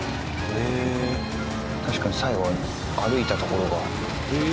確かに最後は歩いた所が。